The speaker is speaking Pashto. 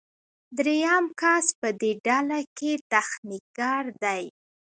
دریم کس په دې ډله کې تخنیکګر دی.